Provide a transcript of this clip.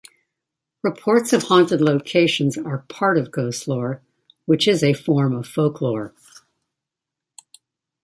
Reports of haunted locations are part of ghostlore, which is a form of folklore.